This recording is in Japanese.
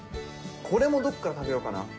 これもどこから食べようかな。